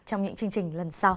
trong những chương trình lần sau